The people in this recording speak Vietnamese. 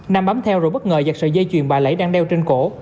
nam bám theo rồi bất ngờ giặt sợi dây chuyền bà lẩy đang đeo trên cổ